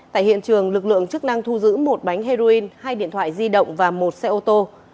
tại hiện trường lực lượng chức năng thu giữ một bánh heroin hai điện thoại di động và một xe ô tô